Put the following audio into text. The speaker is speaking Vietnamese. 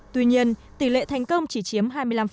tuy nhiên tỷ lệ thành công chỉ chiếm hai mươi năm